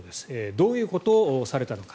どういうことをされたのか。